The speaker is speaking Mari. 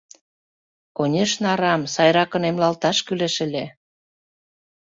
— Конешне, арам, сайракын эмлалташ кӱлеш ыле.